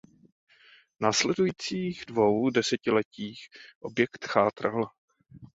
V následujících dvou desetiletích objekt chátral.